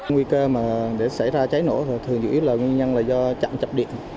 nguy cơ mà để xảy ra cháy nổ thường dự ý là nguyên nhân là do chạm chập điện